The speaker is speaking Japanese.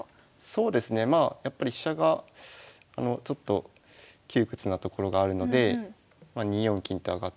そうですねまあやっぱり飛車がちょっと窮屈なところがあるのでまあ２四金と上がって。